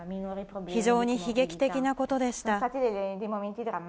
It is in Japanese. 非常に悲劇的なことでした。